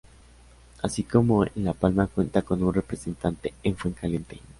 Así como en La Palma cuenta con un representante en Fuencaliente.